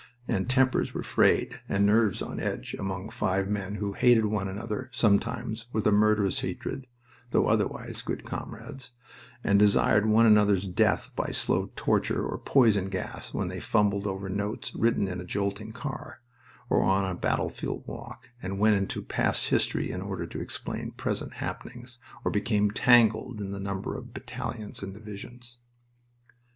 and tempers were frayed, and nerves on edge, among five men who hated one another, sometimes, with a murderous hatred (though, otherwise, good comrades) and desired one another's death by slow torture or poison gas when they fumbled over notes, written in a jolting car, or on a battlefield walk, and went into past history in order to explain present happenings, or became tangled in the numbers of battalions and divisions.